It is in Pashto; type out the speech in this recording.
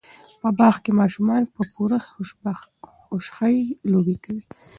په باغ کې ماشومان په پوره خوشحۍ لوبې کوي.